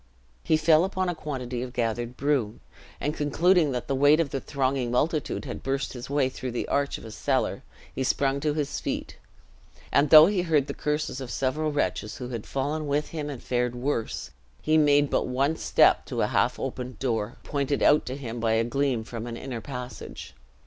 He fell upon a quantity of gathered broom; and concluding that the weight of the thronging multitude had burst his way through the arch of a cellar, he sprung to his feet; and though he heard the curses of several wretches, who had fallen with him and fared worse, he made but one step to a half opened door, pointed out to him by a gleam from an inner passage.